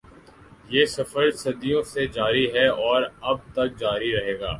یہ سفر صدیوں سے جاری ہے اور ابد تک جاری رہے گا۔